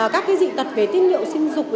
các dị tật về tiết niệu sinh dục